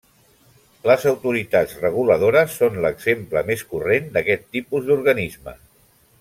Les autoritats reguladores són l'exemple més corrent d'aquest tipus d'organisme.